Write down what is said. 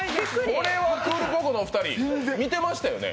これはクールポコのお二人似てましたよね。